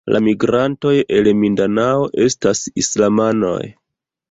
La migrantoj el Mindanao estas islamanoj.